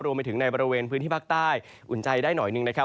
รวมไปถึงในบริเวณพื้นที่ภาคใต้อุ่นใจได้หน่อยหนึ่งนะครับ